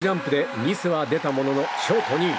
演技後半の連続ジャンプでミスは出たもののショート２位。